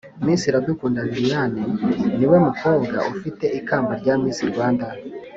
miss iradukunda liliane ni umukobwa ufite ikamba rya miss rwanda